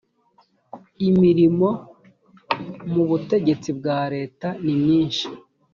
imirimo mu butegetsi bwa leta nimyinshi